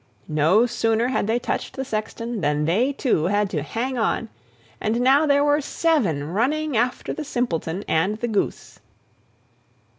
No sooner had they touched the sexton, than they too had to hang on, and now there were seven running after the Simpleton and the goose.